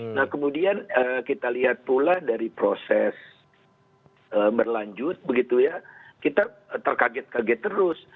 nah kemudian kita lihat pula dari proses berlanjut begitu ya kita terkaget kaget terus